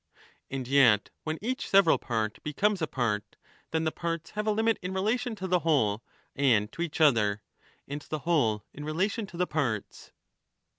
^«*>" And yet, when each several part becomes a part, then the parts have a limit in relation to the whole and to each other, and the whole in relation to the parts.